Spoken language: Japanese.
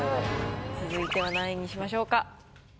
続いては何位にしましょうか？